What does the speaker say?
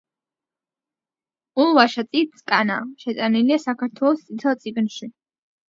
ულვაშა წიწკანა შეტანილია საქართველოს „წითელ წიგნში“.